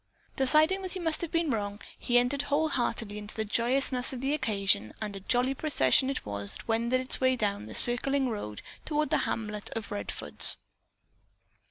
Deciding that he must have been wrong, he entered wholeheartedly into the joyousness of the occasion and a jolly procession it was that wended its way down the circling road toward the hamlet of Redfords.